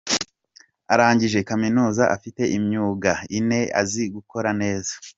Arangije kaminuza afite imyuga ine azi gukora neza.